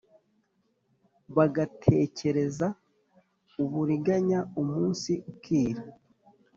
Bagatekereza uburiganya umunsi ukira